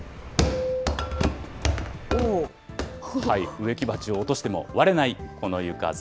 植木鉢を落としても割れない、この床材。